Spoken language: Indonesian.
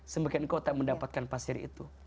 semakin kau tak mendapatkan pasir itu